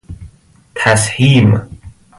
تسهیم